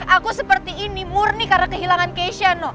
aku seperti ini murni karena kehilangan keisha no